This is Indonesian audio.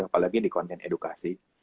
apalagi di konten edukasi